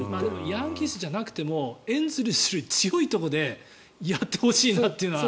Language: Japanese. ヤンキースじゃなくてもエンゼルスより強いところでやってほしいなというのは。